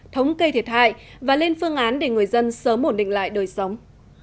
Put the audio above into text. thống kê thiệt hại và lên phương án để người dân sớm ổn định lại đời sống